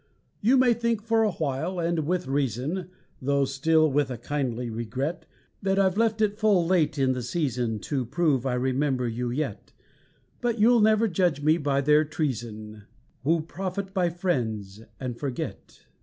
You may think for awhile, and with reason, Though still with a kindly regret, That I've left it full late in the season To prove I remember you yet; But you'll never judge me by their treason Who profit by friends and forget.